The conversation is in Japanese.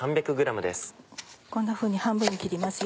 こんなふうに半分に切りますよ。